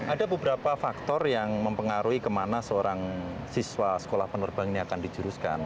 ada beberapa faktor yang mempengaruhi kemana seorang siswa sekolah penerbang ini akan dijuruskan